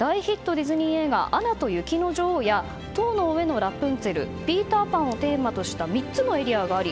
ディズニー映画「アナと雪の女王」や「塔の上のラプンツェル」「ピーター・パン」をテーマにした３つのエリアがあり